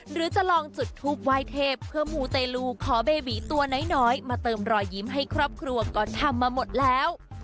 หรือจะลองจุดทูปไหว้เทพเพื่อมูเตลูขอเบบีตัวน้อยมาเติมรอยยิ้มให้ครอบครัวก็ทำมาหมดแล้ว